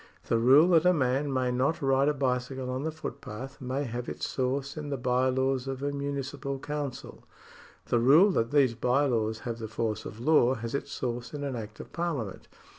The rule that a man may not ride a bicycle on the footpath may have its source in the by laws of a municipal council ; the rule that these by laws have the force of law has its source in an act of Parliament.